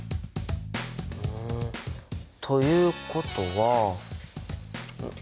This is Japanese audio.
うんということは。